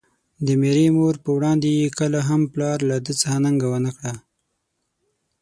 د ميرې مور په وړاندې يې کله هم پلار له ده څخه ننګه ونکړه.